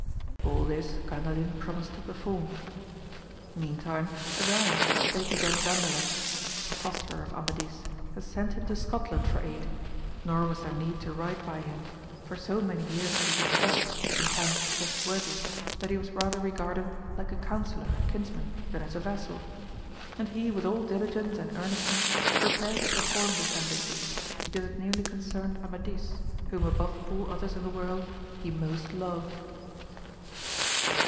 All this Gandaliu promised to perform. . Meantime Agrayes spake with Don Gandales, the fosterer of Amadis, and sent him to Scotland for aid, nor was there need to write by him, for so many years had he been trusted and found trustworthy, that he was rather regarded like a counsellor and kinsman than as a vassal ; and he with all diligence and earnestness prepared to perform this embassy, because it nearly concerned Amadis whom above all others in the world he most loved.